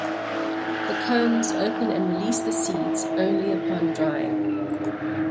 The cones open and release the seeds only upon drying.